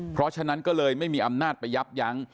เพราะฉะนั้นก็เลยไม่มีอำนาจไปยับยั้ง